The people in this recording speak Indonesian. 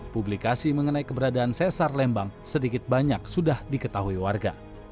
publikasi mengenai keberadaan sesar lembang sedikit banyak sudah diketahui warga